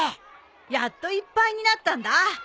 やっといっぱいになったんだ。